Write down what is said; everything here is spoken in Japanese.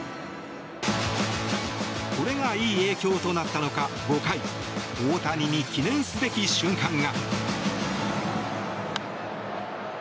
これが、いい影響となったのか５回、大谷に記念すべき瞬間が。